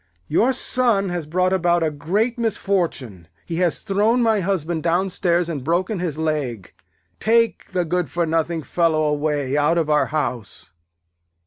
'Your son has brought about a great misfortune; he has thrown my husband downstairs and broken his leg. Take the good for nothing fellow away, out of our house.'